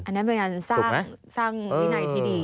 อันนั้นเป็นการสร้างวินัยที่ดี